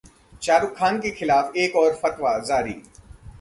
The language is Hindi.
शाहरुख खान के खिलाफ एक और फतवा जारी